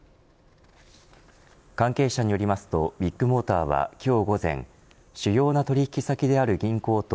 関係者によりますとビッグモーターは、今日午前主要な取引先である銀行と